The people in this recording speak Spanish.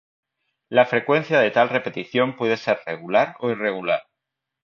La frecuencia de tal repetición puede ser regular o irregular.